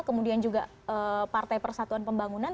kemudian juga partai persatuan pembangunan